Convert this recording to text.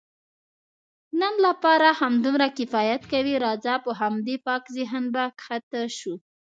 د نن لپاره همدومره کفایت کوي، راځه په همدې پاک ذهن به کښته شو.